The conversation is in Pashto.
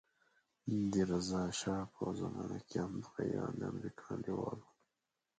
د رضا شا په زمانه کې همدغه ایران د امریکا انډیوال وو.